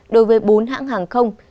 đối với bốn hãng hàng không